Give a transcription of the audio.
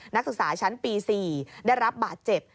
นักศึกษาชั้นปี๔ได้รับบาดเจ็บ